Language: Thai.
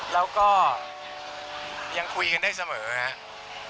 แล้วก็ยังคุยกันได้เสมอครับ